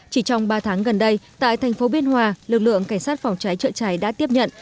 chỉ trong ba tháng gần đây tại thành phố biên hòa lực lượng cảnh sát phòng cháy trợ cháy đã tiếp nhận